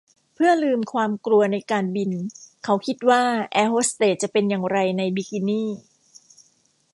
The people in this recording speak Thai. เพื่อลืมความกลัวในการบินเขาคิดว่าแอร์โฮสเตสจะเป็นอย่างไรในบิกินี่